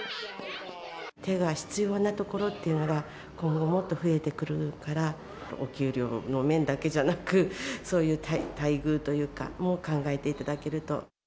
手が必要なところというのが、もっと増えてくるから、お給料の面だけじゃなく、そういう待遇というか、も考えていただけると。